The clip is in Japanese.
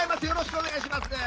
よろしくお願いします。